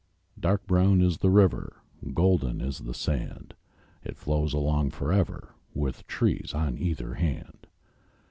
Dark brown is the river, Golden is the sand. It flows along for ever, With trees on either hand.